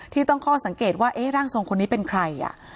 ที่ตั้งข้อสังเกตว่าร่างทรงคนนี้เป็นใคร